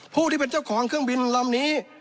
ผู้ที่เป็นเจ้าของเครื่องบินลำนี้